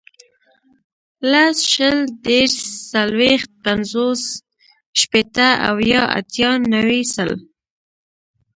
لس, شل, دېرس, څلوېښت, پنځوس, شپېته, اویا, اتیا, نوي, سل